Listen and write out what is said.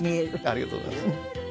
ありがとうございます。